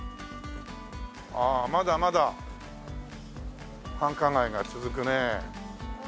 ああまだまだ繁華街が続くね。